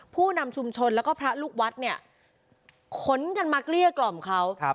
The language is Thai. ผู้นำชุมชนและพระลูกวัดจะคนกันมาเกลี่ยกล่อมเขา